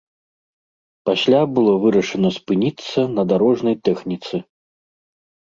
Пасля было вырашана спыніцца на дарожнай тэхніцы.